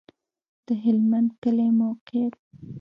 د هلمند کلی موقعیت